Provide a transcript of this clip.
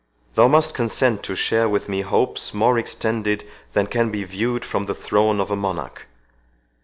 Thou must consent to share with me hopes more extended than can be viewed from the throne of a monarch!